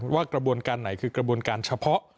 ว่ากระบวนการไหนคือกระบวนการเฉพาะ